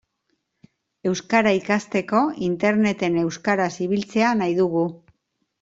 Euskara ikasteko Interneten euskaraz ibiltzea nahi dugu.